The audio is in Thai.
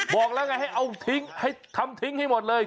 บอกแล้วไงให้เอาทิ้งให้ทำทิ้งให้หมดเลย